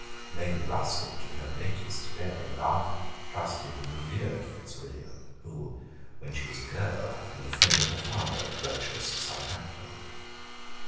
Lady Russell, to her latest day, loved, trusted, and revered Fitzwilliam, who, when she was a girl, had been the friend of her father, the virtuous Southampton.